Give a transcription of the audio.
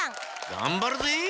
がんばるぜ！